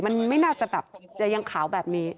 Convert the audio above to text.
มันไม่น่าจะแบบจะยังขาวแบบนี้